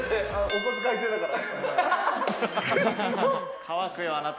お小遣い制だから。